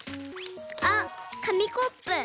ほうかみコップ。